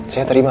saya terima pak